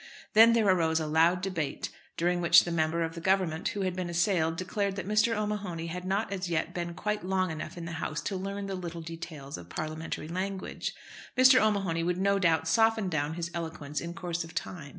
Then there arose a loud debate, during which the member of the Government who had been assailed declared that Mr. O'Mahony had not as yet been quite long enough in the House to learn the little details of Parliamentary language; Mr. O'Mahony would no doubt soften down his eloquence in course of time.